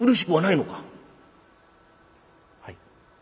「はい。